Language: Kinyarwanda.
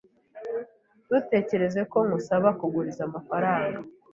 Ntutekereze no kunsaba kuguriza amafaranga.